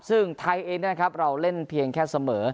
ซึ่งไทยเองนะครับเราเล่นเพียงแค่เสมอ